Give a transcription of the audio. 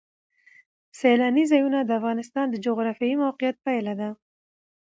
سیلانی ځایونه د افغانستان د جغرافیایي موقیعت پایله ده.